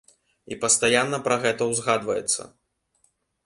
І пастаянна пра гэта ўзгадваецца.